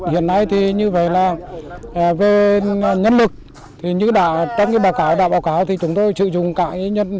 hiện nay thì như vậy là về nhân lực trong báo cáo thì chúng tôi sử dụng cả nhân lực